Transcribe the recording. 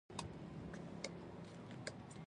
د کړکۍ تر دوو نمجنو ستوګو راوڅڅيدې